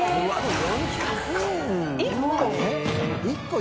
１個？